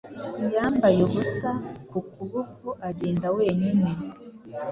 Yambaye ubusa ku kuboko agenda wenyine